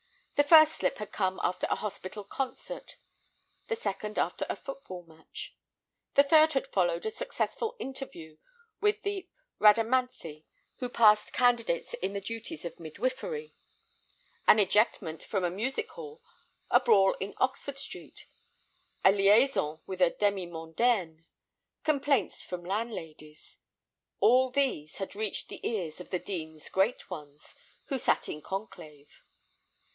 The first slip had come after a hospital concert; the second after a football match; the third had followed a successful interview with the Rhadamanthi who passed candidates in the duties of midwifery. An ejectment from a music hall, a brawl in Oxford Street, a liaison with a demi mondaine, complaints from landladies, all these had reached the ears of the Dean's "great ones" who sat in conclave.